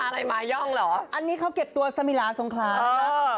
อะไรมาย่องเหรออันนี้เขาเก็บตัวสมิลาสงครามเออ